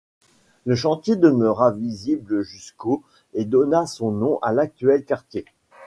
Le chantier demeura visible jusqu'au et donna son nom à l'actuel quartier.